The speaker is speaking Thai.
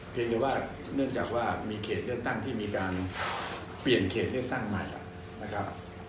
เพียงแต่ว่าเนื่องจากว่ามีเขตเลือกตั้งที่มีการเปลี่ยนเขตเลือกตั้งใหม่นะครับ